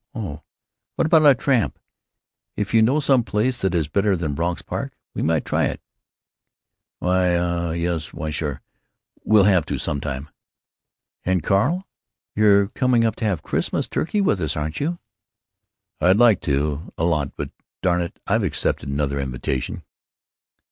Oh—what about our tramp? If you know some place that is better than Bronx Park, we might try it." "Why—uh—yes—why, sure; we'll have to, some time." "And, Carl, you're coming up to have your Christmas turkey with us, aren't you?" "I'd like to, a lot, but darn it, I've accepted 'nother invitation."